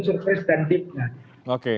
surprise dan diganggu